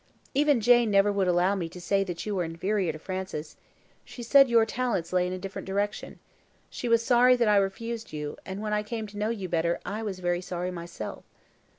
"Even Jane never would allow me to say that you were inferior to Francis; she said your talents lay in a different direction. She was sorry that I refused you, and when I came to know you better I was very sorry myself."